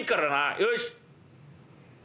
よし！